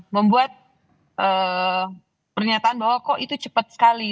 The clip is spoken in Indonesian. membuat pernyataan bahwa kok itu cepat sekali